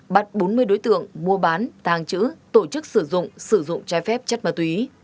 bắt bốn mươi đối tượng mua bán tàng trữ tổ chức sử dụng sử dụng trái phép chất ma túy